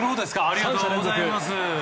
ありがとうございます。